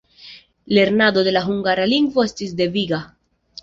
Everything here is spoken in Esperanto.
Lernado de la hungara lingvo estis deviga.